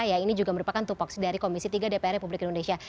ya ini juga merupakan tupoksi dari komisi tiga dpr republik indonesia